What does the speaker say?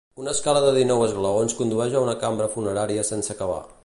Una escala de dinou esglaons condueix a una cambra funerària sense acabar.